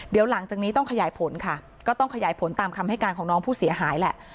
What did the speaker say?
เดี๋ยวหลังจากนี้ต้องขยายผลค่ะก็ต้องขยายผลตามคำให้การของน้องผู้เสียหายแหละ